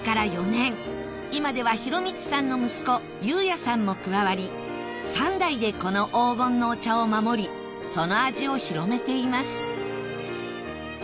今では浩光さんの息子佑哉さんも加わり三代でこの黄金のお茶を守りその味を広めています